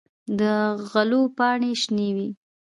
د غلو پاڼې شنه وي.